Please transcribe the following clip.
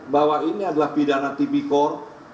bahwa ini adalah pidana tipikor